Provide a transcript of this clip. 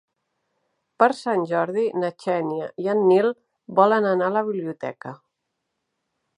Per Sant Jordi na Xènia i en Nil volen anar a la biblioteca.